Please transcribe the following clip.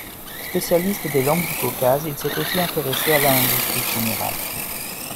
Spécialiste des langues du Caucase, il s’est aussi intéressé à la linguistique générale.